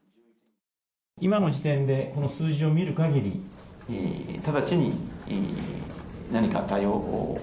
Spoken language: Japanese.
今の時点でこの数字を見る限り直ちに何か対応を。